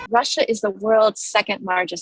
rusia adalah eksporter